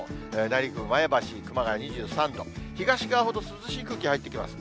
内陸部、前橋、熊谷２３度、東側ほど涼しい空気、入ってきます。